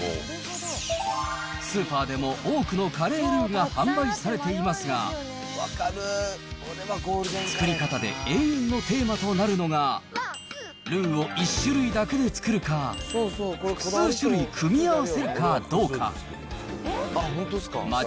スーパーでも多くのカレールーが販売されていますが、作り方で永遠のテーマとなるのが、ルーを１種類だけで作るか、複数種類組み合わせるかどうか。